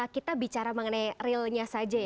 kita bicara mengenai realnya saja ya